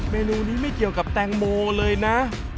เมนูนี้ไม่เกี่ยวกับแตงโมเลยนะ